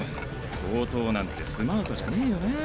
強盗なんてスマートじゃねェよな。